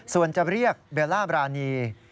ส่วนจะเรียกเบลล่าบรานี